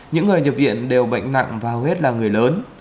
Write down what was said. những người nhập viện đều bệnh nặng và hầu hết là người lớn